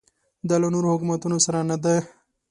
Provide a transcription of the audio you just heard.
دا له نورو حکومتونو سره نه ده.